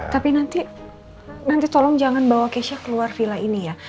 tapi nanti tolong jangan bawa keisha keluar villa ini ya